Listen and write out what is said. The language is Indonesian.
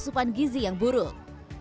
asupan gizi yang buruk